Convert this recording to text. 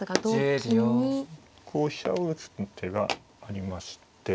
こう飛車を打つ手がありまして。